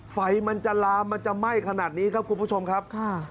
ไฟมันจะลามมันจะไหม้ขนาดนี้ครับคุณผู้ชมครับ